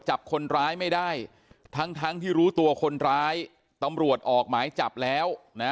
จับคนร้ายไม่ได้ทั้งทั้งที่รู้ตัวคนร้ายตำรวจออกหมายจับแล้วนะ